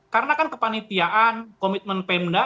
karena kan kepanitiaan komitmen pemda